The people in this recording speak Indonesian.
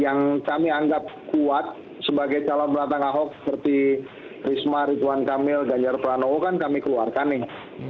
yang kami anggap kuat sebagai calon belakang ahok seperti risma rituan kamil ganjar pranowo kan kami keluarkan nih